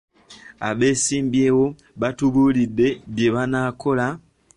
Abeesimbyewo baatubulidde bye banaakola.